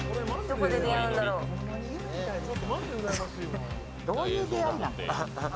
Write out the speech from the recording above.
どこで出会うんだろう。